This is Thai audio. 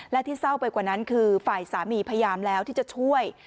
และที่เศร้าไปกว่านั้นคือฝ่ายสามีพยายามแล้วที่จะช่วย